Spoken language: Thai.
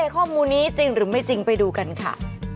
ข้อมูลนี้จริงหรือไม่จริงไปดูกันค่ะ